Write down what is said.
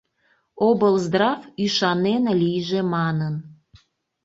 Облздрав ӱшанен лийже манын.